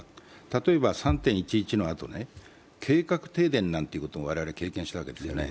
例えば３・１１のあと計画停電なんていうことも我々経験したわけですね。